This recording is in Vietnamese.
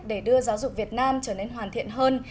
để đưa giáo dục việt nam trở nên hoàn thiện hơn